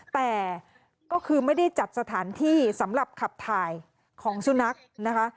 แต่ก็คือไม่ได้จัดสถานที่สำหรับขับถ่ายของสุนัขนะคะ